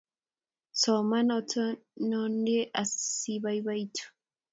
soman otindiondeni asi ibaibaitu